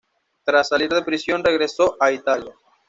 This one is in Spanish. Tras salir de prisión regresó a Italia.